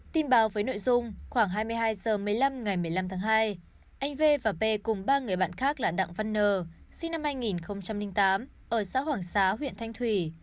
tin báo với nội dung khoảng hai mươi hai h một mươi năm ngày một mươi năm tháng hai anh v và p cùng ba người bạn khác là đặng văn nờ sinh năm hai nghìn tám ở xã hoàng xá huyện thanh thủy